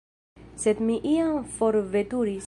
Sed mi jam forveturis.